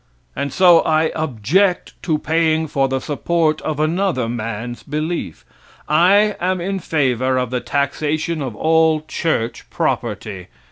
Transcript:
And so I object to paying for the support of another man's belief. I am in favor of the taxation of all church property.